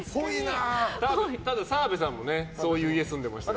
澤部さんもそういう家、住んでましたよね。